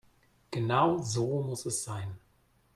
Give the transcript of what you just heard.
Genau so muss es sein.